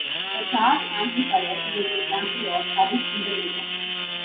A charge amplifier is an example of current integrator.